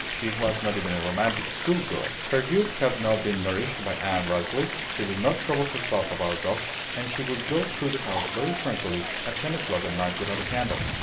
She was not even a romantic school girl. Her youth had not been nourished by Anne Radcliffe, she did not trouble herself about ghosts, and she would go through the house very tranquilly at ten o'clock at night without a candle.